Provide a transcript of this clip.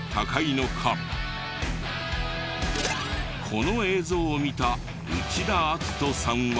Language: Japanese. この映像を見た内田篤人さんは。